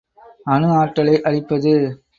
அணு ஆற்றலை அளிப்பது.